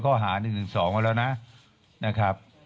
ขอบพระคุณนะครับ